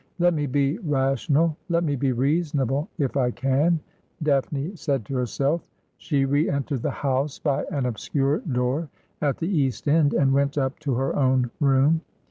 ' Let me be rational, let me be reasonable, if I can,' Daphne said to herself. She re entered the house by an obscure door at the east end, and went up to her own room.